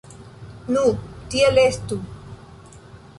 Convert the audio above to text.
Nu, tiel estu.